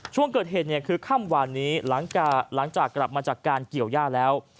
ช่วงเกิดเหตุเนี่ยคือค่ำวานนี้หลังจากกลับมาจากการเกี่ยวย่าแล้ว